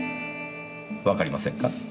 わかりませんか？